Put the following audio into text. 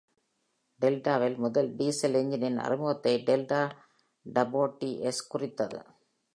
டெல்டாவில் முதல் டீசல் என்ஜினின் அறிமுகத்தை டெல்டா டர்போ டி.எஸ் குறித்தது.